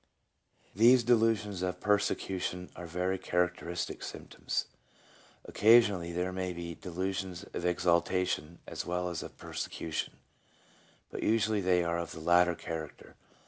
These delusions of persecution are very charac teristic symptoms. Occasionally there may be delusions of exaltation as well as of persecution, but usually they are of the latter character.